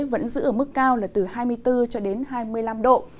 vẫn giữ ở mức cao là từ hai mươi bốn hai mươi năm độ